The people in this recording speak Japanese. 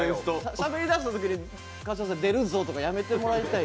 しゃべり出したときに、川島さん、出るぞみたいなのやめてもらいたい。